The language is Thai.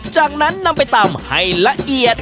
จากนั้นนำไปตำให้ละเอียด